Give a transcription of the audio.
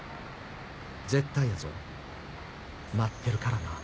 絶対やぞ待ってるからな。